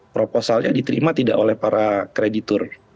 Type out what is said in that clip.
proposalnya diterima tidak oleh para kreditur